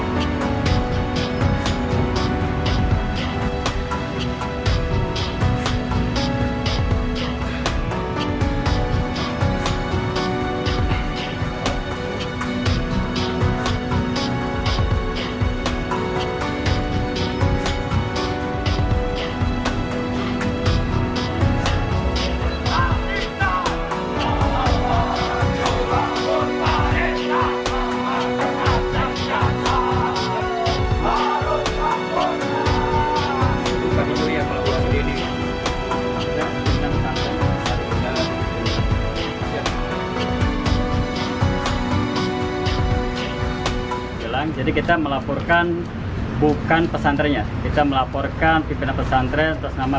bilang jadi kita melaporkan bukan pesantrennya kita melaporkan pimpinan pesantren terus nama